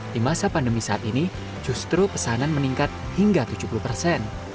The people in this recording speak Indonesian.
di masa pandemi saat ini justru pesanan meningkat hingga tujuh puluh persen